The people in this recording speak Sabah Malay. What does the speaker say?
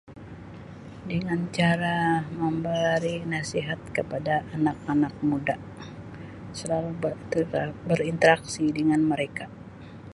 Dingan cara membari nasihat kepada anak-anak muda selalu bertegar-berinteraksi dengan mereka.